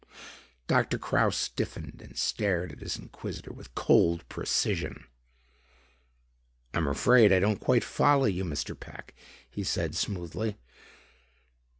Doctor Kraus stiffened and stared at his inquisitor with cold precision. "I'm afraid I don't quite follow you, Mr. Peck," he said smoothly.